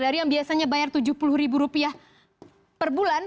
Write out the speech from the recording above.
dari yang biasanya bayar tujuh puluh ribu rupiah perbulan